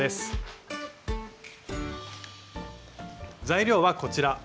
材料はこちら。